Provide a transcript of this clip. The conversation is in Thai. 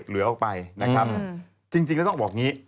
เหลือออกไปนะครับจริงแล้วต้องบอก